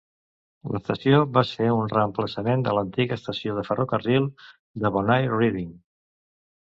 L'estació va ser un reemplaçament de l'antiga estació de ferrocarril de Bonair Reading.